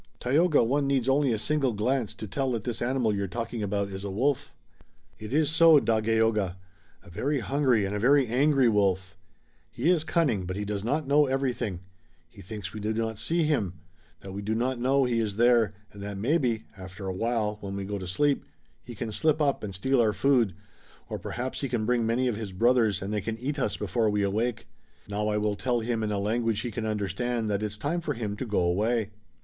"Tayoga, one needs only a single glance to tell that this animal you're talking about is a wolf." "It is so, Dagaeoga. A very hungry and a very angry wolf. He is cunning, but he does not know everything. He thinks we do not see him, that we do not know he is there and that maybe, after awhile, when we go to sleep, he can slip up and steal our food, or perhaps he can bring many of his brothers, and they can eat us before we awake. Now, I will tell him in a language he can understand that it's time for him to go away."